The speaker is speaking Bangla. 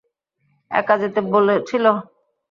একা যেতে বলেছিল।